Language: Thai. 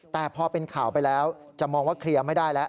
แต่พอเป็นข่าวไปแล้วจะมองว่าเคลียร์ไม่ได้แล้ว